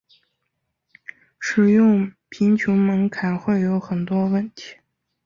使用贫穷门槛会有很多问题。